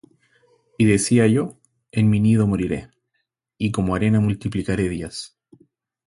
Y decía yo: En mi nido moriré, Y como arena multiplicaré días.